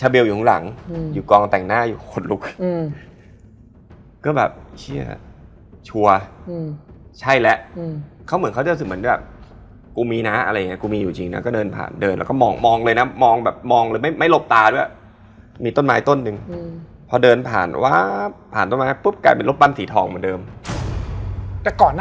พี่หนูบอกเลยวิธีนี้เดียวเท่านั้นที่มันเวิร์ค